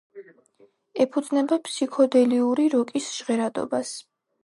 ეფუძნება ფსიქოდელიური როკის ჟღერადობას.